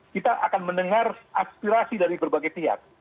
kita akan mendengar aspirasi dari berbagai pihak